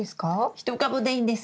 １株でいいんです。